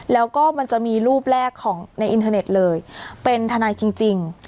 แล้วก็มันจะมีรูปแรกของในอินเทอร์เน็ตเลยเป็นทนายจริง